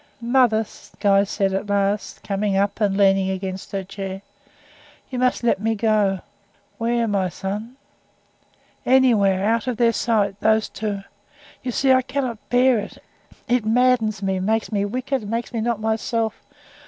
"Mother," Guy said at last, coming up and leaning against her chair, "you must let me go." "Where, my son?" "Anywhere out of their sight those two. You see, I cannot bear it. It maddens me makes me wicked makes me not myself.